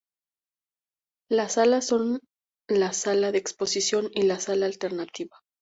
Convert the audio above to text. Las salas son: la Sala de Exposición y la Sala Alternativa.